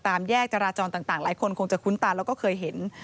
แยกจราจรต่างหลายคนคงจะคุ้นตาแล้วก็เคยเห็น